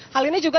hal ini juga